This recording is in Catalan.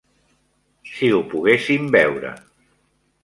Si ho poguéssim veure.